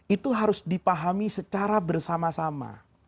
itu harus dipahami secara bersama sama